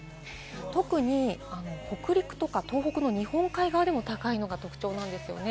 特に北陸とか東北の日本海側が高いのが特徴なんですね。